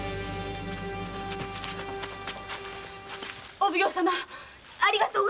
お奉行様ありがとうございました！